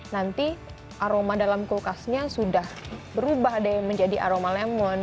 nanti aroma dalam kulkasnya sudah berubah deh menjadi aroma lemon